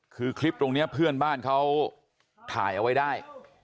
คือคลิปตรงนี้เพื่อนบ้านเขาถ่ายเอาไว้ได้